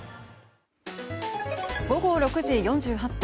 午後６時４８分。